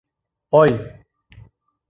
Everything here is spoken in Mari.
— Ой!..